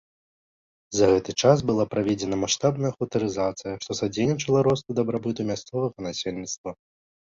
За гэты час была праведзена маштабная хутарызацыя, што садзейнічала росту дабрабыту мясцовага насельніцтва.